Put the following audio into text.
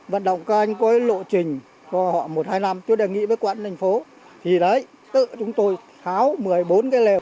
vận động các anh có lộ trình một hai năm chúng tôi đề nghị với quận thành phố thì đấy tự chúng tôi tháo một mươi bốn cái lều